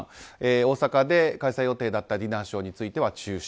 大阪で開催予定だったディナーショーについては中止。